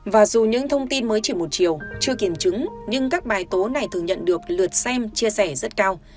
và dù những thông tin mới chỉ một chiều chưa kiểm chứng nhưng các bài tố này thường nhận được lượt xem chia sẻ rất cao